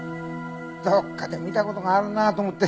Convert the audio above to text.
どっかで見た事があるなと思って。